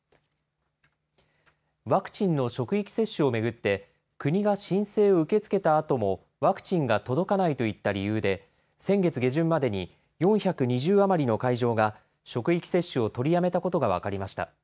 ワクチンの職域接種を巡って、国が申請を受け付けたあとも、ワクチンが届かないといった理由で、先月下旬までに４２０余りの会場が職域接種を取りやめたことが分かりました。